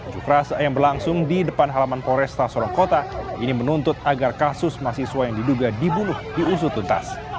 juk rasa yang berlangsung di depan halaman polres tasorong kota ini menuntut agar kasus mahasiswa yang diduga dibunuh diusut lintas